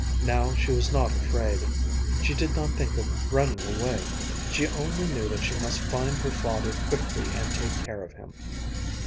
Now she was not afraid. She did not think of running away. She only knew that she must find her father quickly and take care of him.